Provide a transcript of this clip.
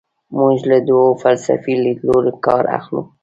موږ له دوو فلسفي لیدلورو کار اخلو.